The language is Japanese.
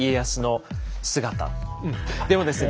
でもですね